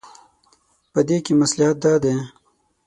په دې کې مصلحت دا دی.